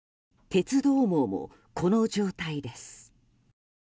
鉄道網も、この状態です。